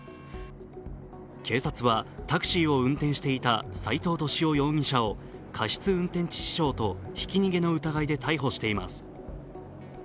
警察は、タクシーを運転していた斎藤敏夫容疑者を過失運転致死傷とひき逃げの疑いで逮捕しています。